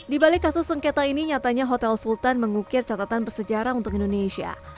di balik kasus sengketa ini nyatanya hotel sultan mengukir catatan bersejarah untuk indonesia